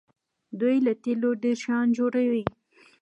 دوی له تیلو ډیر شیان جوړوي.